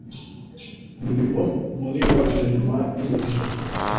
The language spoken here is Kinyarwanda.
Umuriro munini wadutse nyuma y’umutingito.